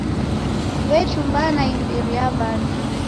W'echumbana imbiri ya w'andu.